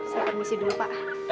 saya permisi dulu pak